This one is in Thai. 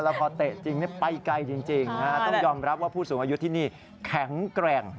แล้วพอเตะจริงไปไกลจริงต้องยอมรับว่าผู้สูงอายุที่นี่แข็งแกร่ง